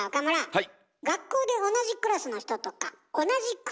はい。